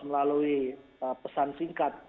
melalui pesan singkat